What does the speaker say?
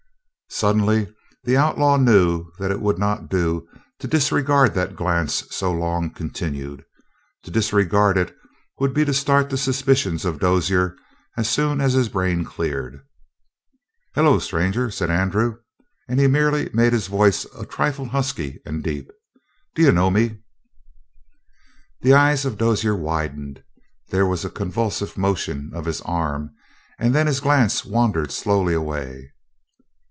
Suddenly the outlaw knew that it would not do to disregard that glance so long continued. To disregard it would be to start the suspicions of Dozier as soon as his brain cleared. "Hello, stranger," said Andrew, and he merely made his voice a trifle husky and deep. "D'you know me?" The eyes of Dozier widened, there was a convulsive motion of his arm, and then his glance wandered slowly away.